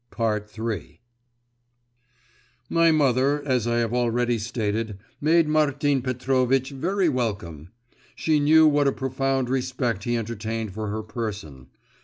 III My mother, as I have already stated, made Martin Petrovitch very welcome. She knew what a profound respect he entertained for her person.